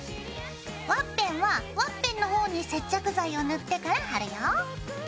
ワッペンはワッペンの方に接着剤を塗ってから貼るよ。